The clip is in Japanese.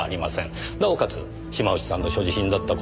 なおかつ島内さんの所持品だった